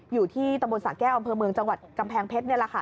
อยู่ที่ตำบลสะแก้วอำเภอเมืองจังหวัดกำแพงเพชรนี่แหละค่ะ